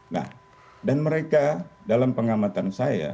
nah dan mereka dalam pengamatan saya